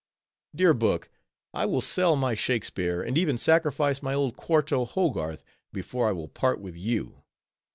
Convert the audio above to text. Dear book! I will sell my Shakespeare, and even sacrifice my old quarto Hogarth, before I will part with you.